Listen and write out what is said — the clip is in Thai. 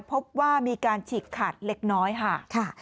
พบว่ามีการฉีกขาดเล็กน้อยค่ะ